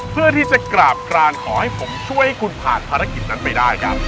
เพื่อที่จะกราบกรานขอให้ผมช่วยให้คุณผ่านภารกิจนั้นไปได้ครับ